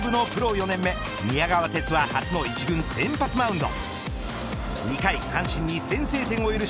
４年目宮川哲は初の１軍先発マウンド。